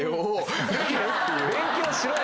勉強しろや。